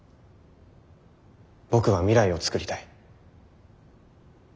僕は未来を創りたい。